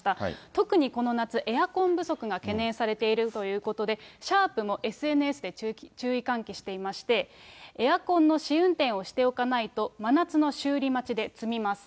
特にこの夏、エアコン不足が懸念されているということで、シャープもＳＮＳで注意喚起していまして、エアコンの試運転をしておかないと、真夏の修理待ちで詰みます。